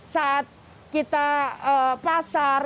saat kita pasar